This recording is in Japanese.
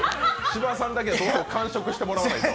芝さんは完食してもらわないと。